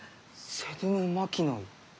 「セドゥム・マキノイ」。